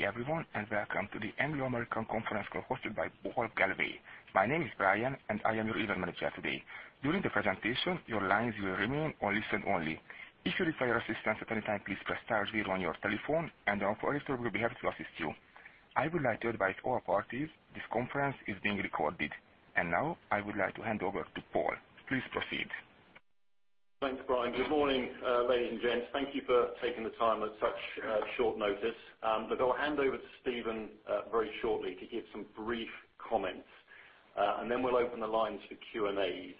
Good day everyone, and welcome to the Anglo American conference call hosted by Paul Galloway. My name is Brian and I am your Event Manager today. During the presentation, your lines will remain on listen only. If you require assistance at any time, please press star zero on your telephone and our operator will be happy to assist you. I would like to advise all parties this conference is being recorded. Now I would like to hand over to Paul. Please proceed. Thanks, Brian. Good morning, ladies and gents. Thank you for taking the time at such short notice. I'll hand over to Stephen very shortly to give some brief comments. Then we'll open the lines for Q&A.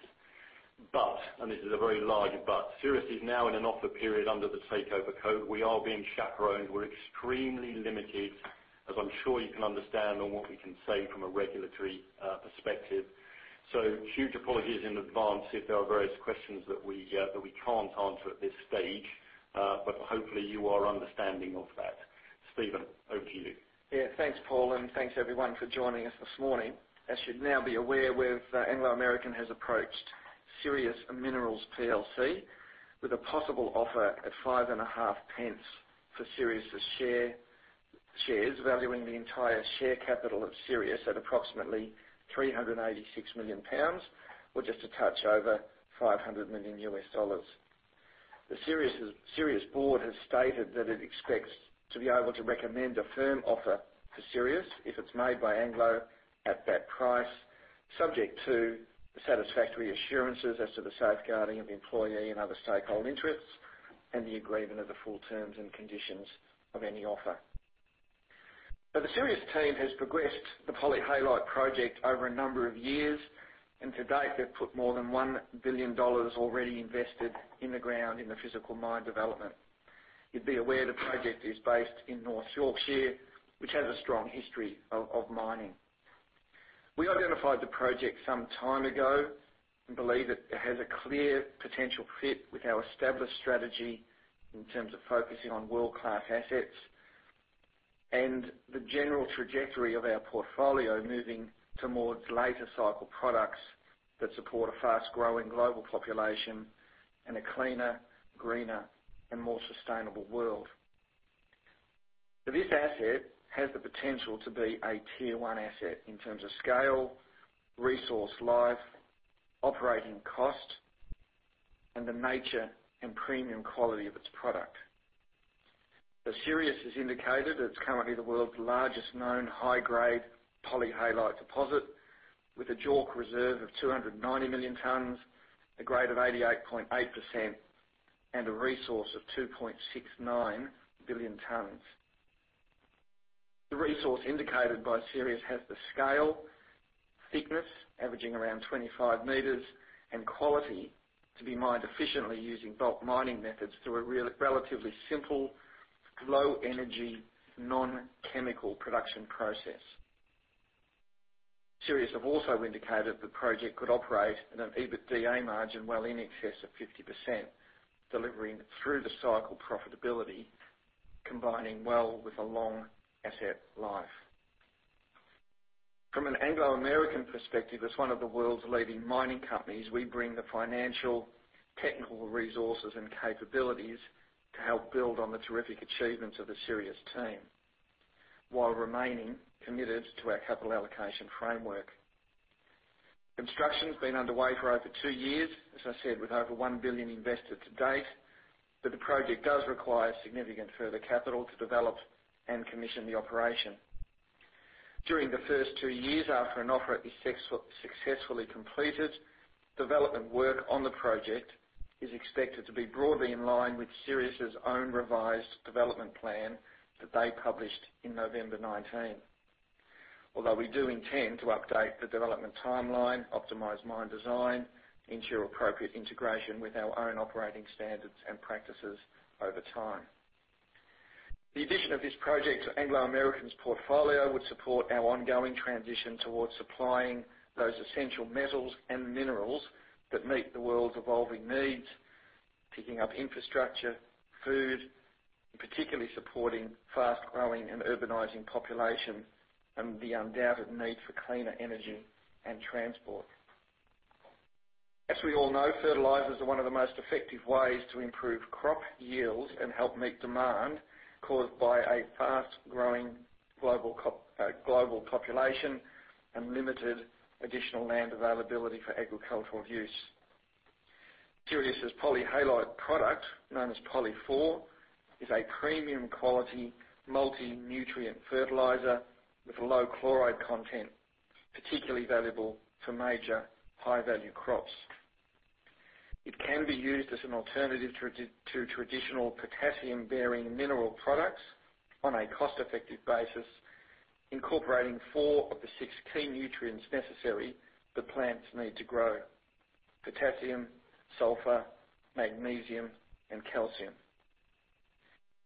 And this is a very large but, Sirius is now in an offer period under the Takeover Code. We are being chaperoned. We're extremely limited, as I'm sure you can understand, on what we can say from a regulatory perspective. Huge apologies in advance if there are various questions that we can't answer at this stage. Hopefully you are understanding of that. Stephen, over to you. Yeah. Thanks, Paul, and thanks everyone for joining us this morning. As you'd now be aware, Anglo American has approached Sirius Minerals Plc with a possible offer at 5.5 pence for Sirius shares, valuing the entire share capital of Sirius at approximately 386 million pounds or just a touch over $500 million. The Sirius board has stated that it expects to be able to recommend a firm offer for Sirius if it's made by Anglo at that price, subject to the satisfactory assurances as to the safeguarding of employee and other stakeholder interests and the agreement of the full terms and conditions of any offer. The Sirius team has progressed the polyhalite project over a number of years, and to date, they've put more than $1 billion already invested in the ground in the physical mine development. You'd be aware the project is based in North Yorkshire, which has a strong history of mining. We identified the project some time ago and believe it has a clear potential fit with our established strategy in terms of focusing on world-class assets and the general trajectory of our portfolio moving towards later cycle products that support a fast-growing global population and a cleaner, greener, and more sustainable world. This asset has the potential to be a tier 1 asset in terms of scale, resource life, operating cost, and the nature and premium quality of its product. Sirius has indicated it's currently the world's largest known high-grade polyhalite deposit with a JORC reserve of 290 million tons, a grade of 88.8%, and a resource of 2.69 billion tons. The resource indicated by Sirius has the scale, thickness, averaging around 25 meters, and quality to be mined efficiently using bulk mining methods through a relatively simple, low energy, non-chemical production process. Sirius have also indicated the project could operate in an EBITDA margin well in excess of 50%, delivering through-the-cycle profitability, combining well with a long asset life. From an Anglo American perspective, as one of the world's leading mining companies, we bring the financial, technical resources, and capabilities to help build on the terrific achievements of the Sirius team while remaining committed to our capital allocation framework. Construction's been underway for over two years, as I said, with over 1 billion invested to date, but the project does require significant further capital to develop and commission the operation. During the first two years after an offer is successfully completed, development work on the project is expected to be broadly in line with Sirius's own revised development plan that they published in November 2019. Although we do intend to update the development timeline, optimize mine design, ensure appropriate integration with our own operating standards and practices over time. The addition of this project to Anglo American's portfolio would support our ongoing transition towards supplying those essential metals and minerals that meet the world's evolving needs, picking up infrastructure, food, and particularly supporting fast-growing and urbanizing population and the undoubted need for cleaner energy and transport. As we all know, fertilizers are one of the most effective ways to improve crop yields and help meet demand caused by a fast-growing global population and limited additional land availability for agricultural use. Sirius's polyhalite product, known as Poly4, is a premium quality multi-nutrient fertilizer with low chloride content, particularly valuable for major high-value crops. It can be used as an alternative to traditional potassium-bearing mineral products on a cost-effective basis, incorporating four of the six key nutrients necessary that plants need to grow: potassium, sulfur, magnesium, and calcium.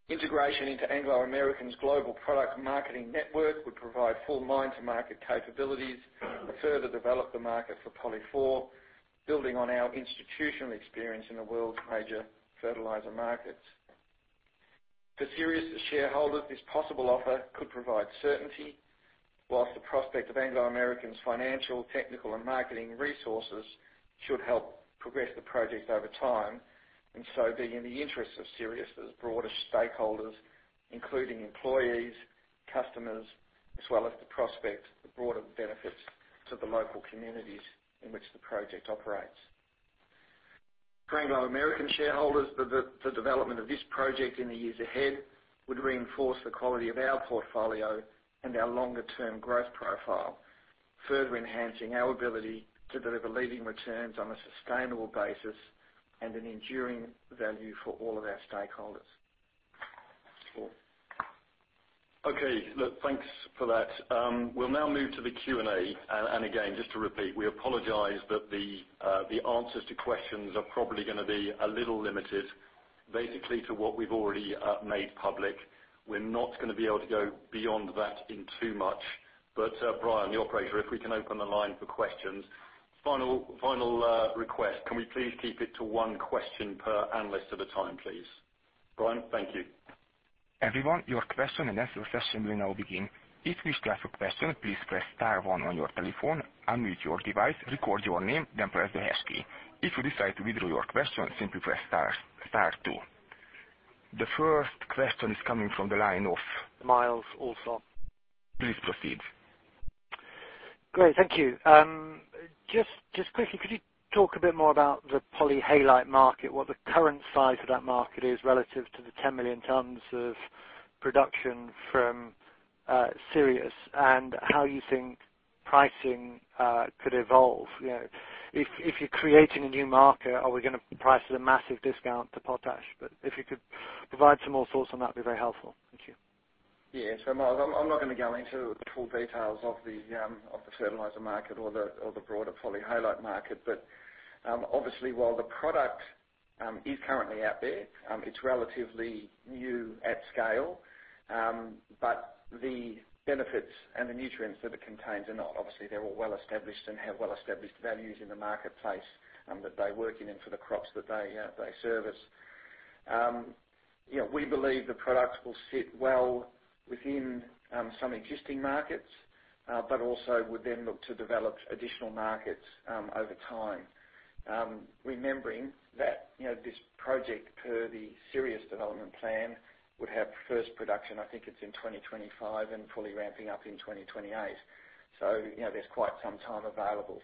Integration into Anglo American's global product marketing network would provide full mine-to-market capabilities to further develop the market for Poly4, building on our institutional experience in the world's major fertilizer markets. For Sirius shareholders, this possible offer could provide certainty. Whilst the prospect of Anglo American's financial, technical, and marketing resources should help progress the project over time, and so be in the interests of Sirius's broader stakeholders, including employees, customers, as well as the prospect, the broader benefits to the local communities in which the project operates. For Anglo American shareholders, the development of this project in the years ahead would reinforce the quality of our portfolio and our longer-term growth profile, further enhancing our ability to deliver leading returns on a sustainable basis and an enduring value for all of our stakeholders. Paul? Okay. Look, thanks for that. We'll now move to the Q&A. Again, just to repeat, we apologize but the answers to questions are probably going to be a little limited, basically to what we've already made public. We're not going to be able to go beyond that in too much. Brian, the operator, if we can open the line for questions. Final request, can we please keep it to one question per analyst at a time, please? Brian, thank you. Everyone, your question and answer session will now begin. If you wish to ask a question, please press star one on your telephone, unmute your device, record your name, then press the hash key. If you decide to withdraw your question, simply press star two. The first question is coming from the line of- Myles Allsop Please proceed. Great. Thank you. Just quickly, could you talk a bit more about the polyhalite market, what the current size of that market is relative to the 10 million tons of production from Sirius and how you think pricing could evolve? If you're creating a new market, are we going to price at a massive discount to potash? If you could provide some more thoughts on that, it'd be very helpful. Thank you. Yeah. Myles, I'm not going to go into the full details of the fertilizer market or the broader polyhalite market. Obviously, while the product is currently out there, it's relatively new at scale. The benefits and the nutrients that it contains are not. Obviously, they're all well-established and have well-established values in the marketplace, that they work in and for the crops that they service. We believe the product will sit well within some existing markets, but also would then look to develop additional markets over time. Remembering that this project, per the Sirius development plan, would have first production, I think it's in 2025, and fully ramping up in 2028. There's quite some time available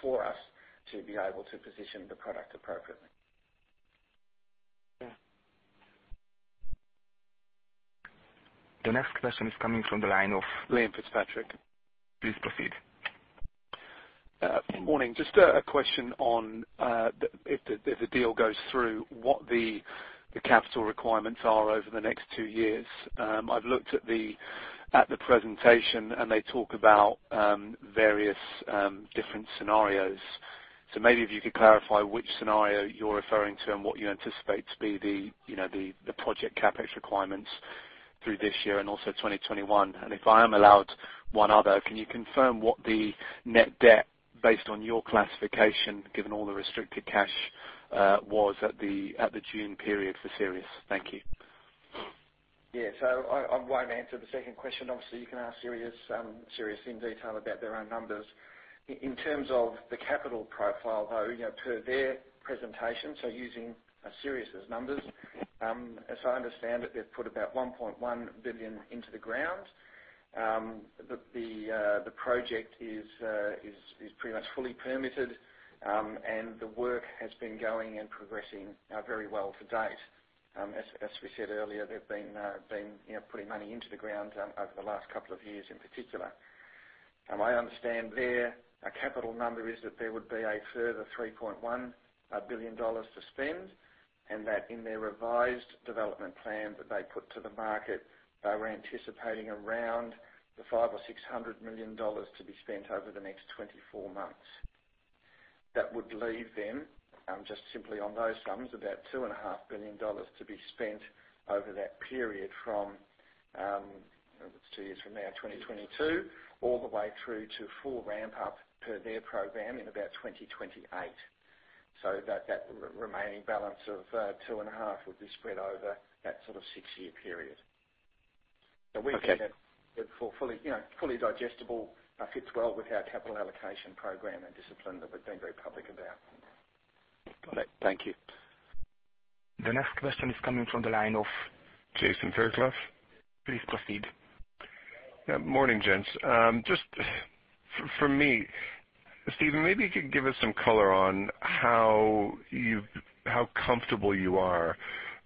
for us to be able to position the product appropriately. Yeah. The next question is coming from the line of- Liam Fitzpatrick Please proceed. Morning. Just a question on, if the deal goes through, what the capital requirements are over the next two years. I've looked at the presentation, they talk about various different scenarios. Maybe if you could clarify which scenario you're referring to and what you anticipate to be the project CapEx requirements through this year and also 2021. If I am allowed one other, can you confirm what the net debt, based on your classification, given all the restricted cash, was at the June period for Sirius? Thank you. Yeah. I won't answer the second question. Obviously, you can ask Sirius in detail about their own numbers. In terms of the capital profile, though, per their presentation, using Sirius's numbers, as I understand it, they've put about $1.1 billion into the ground. The project is pretty much fully permitted, and the work has been going and progressing very well to date. As we said earlier, they've been putting money into the ground over the last couple of years in particular. I understand their capital number is that there would be a further $3.1 billion to spend, and that in their revised development plan that they put to the market, they were anticipating around the $500 million or $600 million to be spent over the next 24 months. That would leave them, just simply on those sums, about $2.5 billion to be spent over that period from, it's two years from now, 2022, all the way through to full ramp-up per their program in about 2028. That remaining balance of two and a half would be spread over that sort of six-year period. Okay. For fully digestible, fits well with our capital allocation program and discipline that we've been very public about. Got it. Thank you. The next question is coming from the line of- Jason Fairclough Please proceed. Yeah. Morning, gents. Just for me, Stephen, maybe you could give us some color on how comfortable you are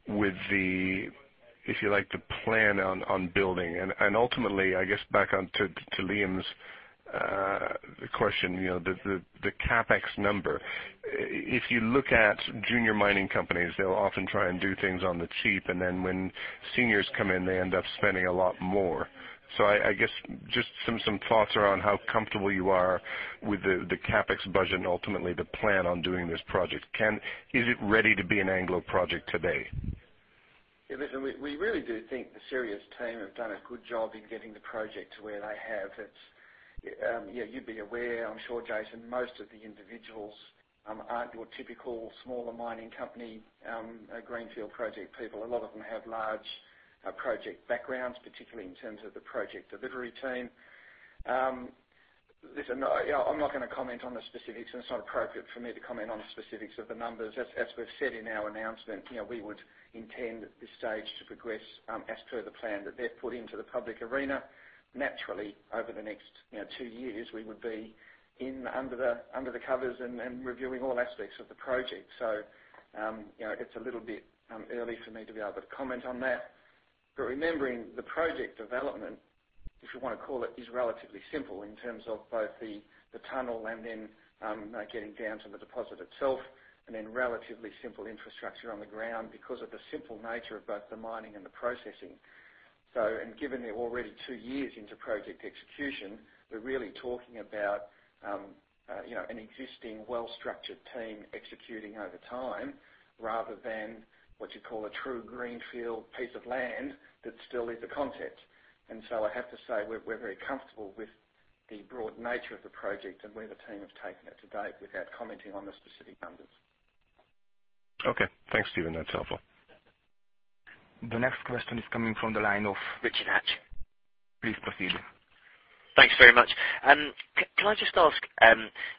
with the, if you like, the plan on building. Ultimately, I guess back onto Liam's question, the CapEx number. If you look at junior mining companies, they'll often try and do things on the cheap, and then when seniors come in, they end up spending a lot more. I guess just some thoughts around how comfortable you are with the CapEx budget and ultimately the plan on doing this project. Is it ready to be an Anglo project today? Yeah, listen, we really do think the Sirius team have done a good job in getting the project to where they have. You'd be aware, I'm sure, Jason, most of the individuals aren't your typical smaller mining company greenfield project people. A lot of them have large project backgrounds, particularly in terms of the project delivery team. Listen, I'm not going to comment on the specifics, and it's not appropriate for me to comment on the specifics of the numbers. As we've said in our announcement, we would intend at this stage to progress as per the plan that they've put into the public arena. Naturally, over the next two years, we would be in under the covers and reviewing all aspects of the project. It's a little bit early for me to be able to comment on that. Remembering the project development, if you want to call it, is relatively simple in terms of both the tunnel and then getting down to the deposit itself, and then relatively simple infrastructure on the ground because of the simple nature of both the mining and the processing. Given they're already two years into project execution, we're really talking about an existing well-structured team executing over time rather than what you'd call a true greenfield piece of land that still is a concept. I have to say, we're very comfortable with the broad nature of the project and where the team have taken it to date without commenting on the specific numbers. Okay. Thanks, Stephen. That's helpful. The next question is coming from the line of Richard Hatch. Please proceed. Thanks very much. Can I just ask,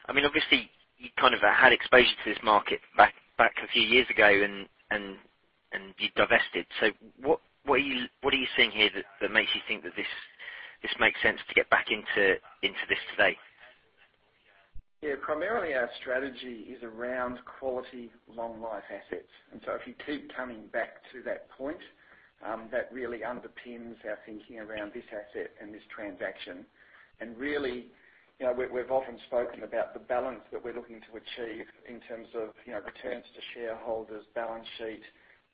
obviously you kind of had exposure to this market back a few years ago and you divested. What are you seeing here that makes you think that this makes sense to get back into this today? Yeah. Primarily our strategy is around quality, long life assets. If you keep coming back to that point, that really underpins our thinking around this asset and this transaction. Really, we've often spoken about the balance that we're looking to achieve in terms of returns to shareholders, balance sheet,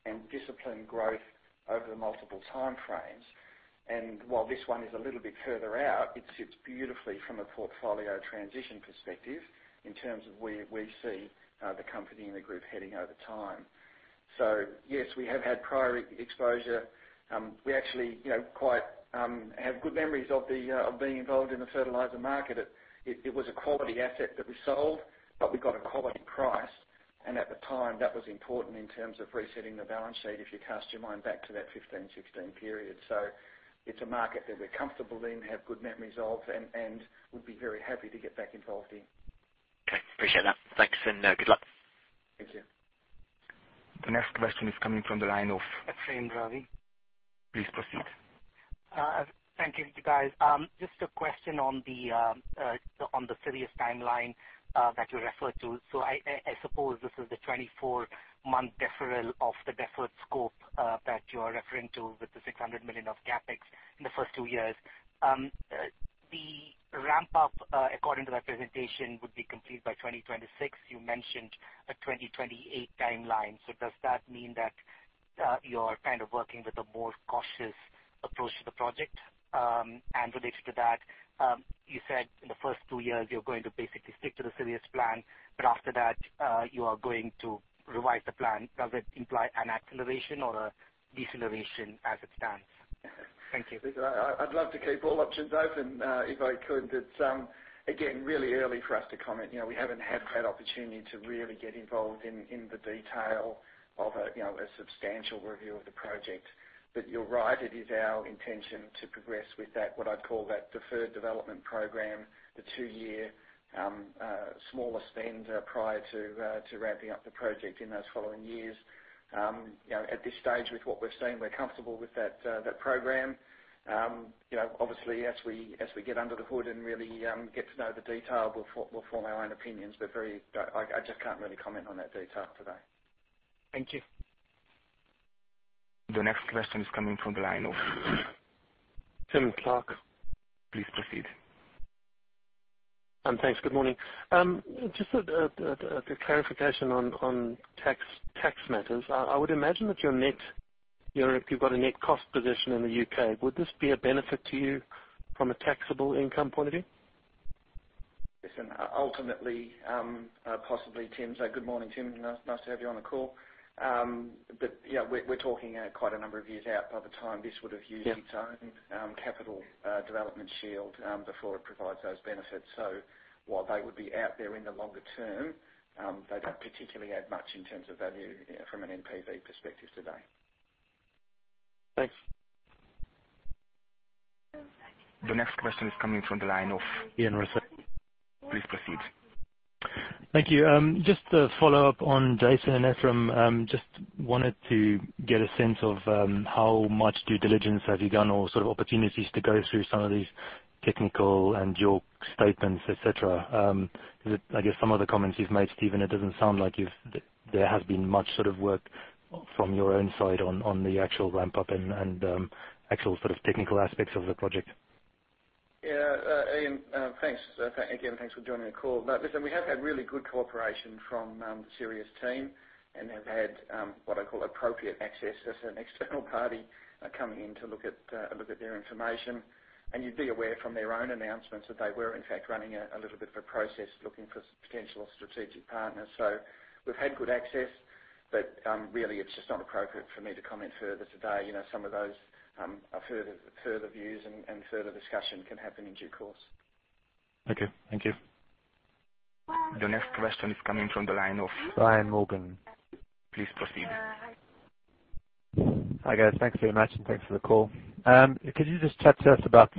and disciplined growth over multiple time frames. While this one is a little bit further out, it sits beautifully from a portfolio transition perspective in terms of where we see the company and the group heading over time. Yes, we have had prior exposure. We actually quite have good memories of being involved in the fertilizer market. It was a quality asset that we sold, but we got a quality price. At the time, that was important in terms of resetting the balance sheet, if you cast your mind back to that 2015, 2016 period. It's a market that we're comfortable in, have good memories of, and would be very happy to get back involved in. Okay. Appreciate that. Thanks, and good luck. Thank you. The next question is coming from the line of Ephrem Ravi. Please proceed. Thank you, guys. Just a question on the Sirius timeline that you referred to. I suppose this is the 24-month deferral of the deferred scope that you are referring to with the 600 million of CapEx in the first two years. The ramp-up, according to that presentation, would be complete by 2026. You mentioned a 2028 timeline. Does that mean that you're kind of working with a more cautious approach to the project? Related to that, you said in the first two years, you're going to basically stick to the Sirius plan, but after that, you are going to revise the plan. Does it imply an acceleration or a deceleration as it stands? Thank you. I'd love to keep all options open if I could. It's, again, really early for us to comment. We haven't had that opportunity to really get involved in the detail of a substantial review of the project. You're right, it is our intention to progress with that, what I'd call that deferred development program, the 2-year, smaller spend prior to ramping up the project in those following years. At this stage with what we're seeing, we're comfortable with that program. Obviously, as we get under the hood and really get to know the detail, we'll form our own opinions. I just can't really comment on that detail today. Thank you. The next question is coming from the line of- Tim Clark Please proceed. Thanks. Good morning. Just a clarification on tax matters. I would imagine that if you've got a net cost position in the U.K., would this be a benefit to you from a taxable income point of view? Listen, ultimately, possibly, Tim. Good morning, Tim, nice to have you on the call. We're talking quite a number of years out by the time this would have usually- Yeah its own capital development shield before it provides those benefits. While they would be out there in the longer term, they don't particularly add much in terms of value from an NPV perspective today. Thanks. The next question is coming from the line ofIan Rossouw. Please proceed. Thank you. Just a follow-up on Jason and Ephrem. Just wanted to get a sense of how much due diligence have you done or sort of opportunities to go through some of these technical and your statements, et cetera. I guess some of the comments you've made, Stephen, it doesn't sound like there has been much sort of work from your own side on the actual ramp-up and actual sort of technical aspects of the project. Ian, thanks again. Thanks for joining the call. Listen, we have had really good cooperation from the Sirius team and have had what I call appropriate access as an external party coming in to look at their information. You'd be aware from their own announcements that they were in fact running a little bit of a process looking for potential strategic partners. We've had good access, but really it's just not appropriate for me to comment further today. Some of those further views and further discussion can happen in due course. Okay. Thank you. The next question is coming from the line of- Brian Morgan Please proceed. Hi, guys. Thanks very much, and thanks for the call. Could you just chat to us about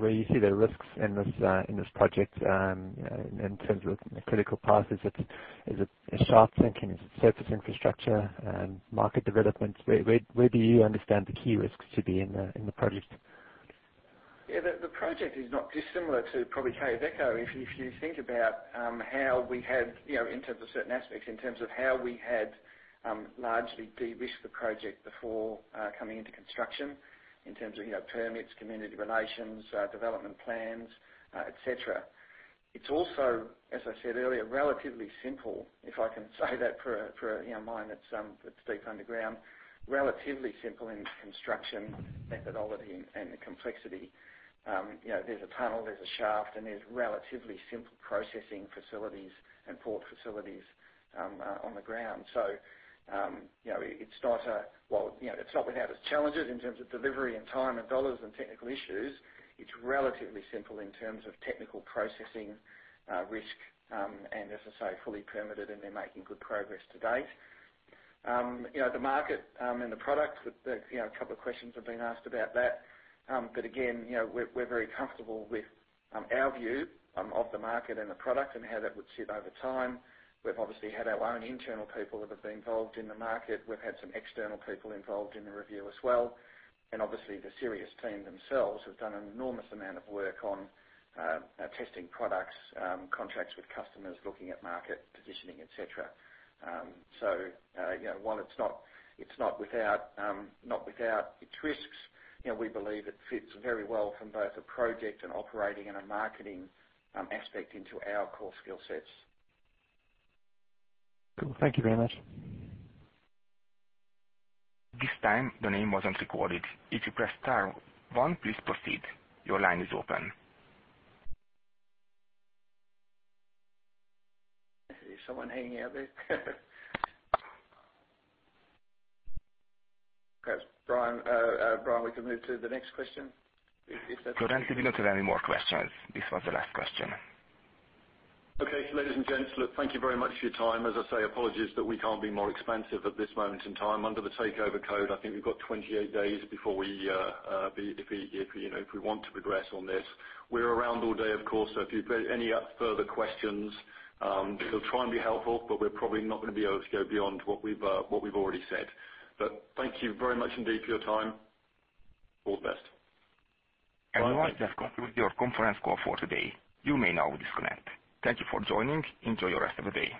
where you see the risks in this project in terms of the critical path? Is it shaft sinking? Is it surface infrastructure and market development? Where do you understand the key risks to be in the project? Yeah, the project is not dissimilar to probably Quellaveco. If you think about how we had, in terms of certain aspects, in terms of how we had largely de-risked the project before coming into construction in terms of permits, community relations, development plans, et cetera. It's also, as I said earlier, relatively simple, if I can say that for a mine that's deep underground. Relatively simple in its construction methodology and the complexity. There's a tunnel, there's a shaft, and there's relatively simple processing facilities and port facilities on the ground. It's not without its challenges in terms of delivery and time and GBP and technical issues. It's relatively simple in terms of technical processing risk, and as I say, fully permitted, and they're making good progress to date. The market and the product, a couple of questions have been asked about that. Again, we're very comfortable with our view of the market and the product and how that would sit over time. We've obviously had our own internal people that have been involved in the market. We've had some external people involved in the review as well. Obviously, the Sirius team themselves have done an enormous amount of work on testing products, contracts with customers, looking at market positioning, et cetera. While it's not without its risks, we believe it fits very well from both a project and operating and a marketing aspect into our core skill sets. Cool. Thank you very much. This time, the name wasn't recorded. If you press star one, please proceed. Your line is open. There's someone hanging out there. Perhaps, Brian, we can move to the next question. [Could we then] look into any more questions. This was the last question. Okay. Ladies and gents, look, thank you very much for your time. As I say, apologies that we can't be more expansive at this moment in time. Under the Takeover Code, I think we've got 28 days if we want to progress on this. We're around all day, of course. If you've any further questions, we'll try and be helpful, but we're probably not going to be able to go beyond what we've already said. Thank you very much indeed for your time. All the best. We have just concluded your conference call for today. You may now disconnect. Thank you for joining. Enjoy your rest of the day.